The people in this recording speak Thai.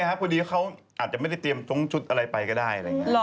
ไม่เพราะอาจจะไม่ได้เตรียมชุดอะไรไปก็ได้